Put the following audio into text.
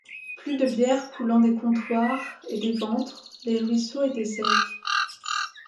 Plus de bière coulant des comptoirs et des ventres, les ruisseaux étaient secs.